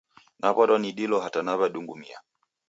Naw'adwa ni dilo hata naw'edungumia